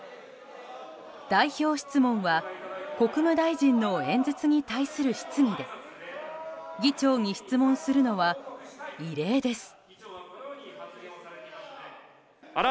代表質問は国務大臣の演説に対する質疑で議長に質問するのは異例です。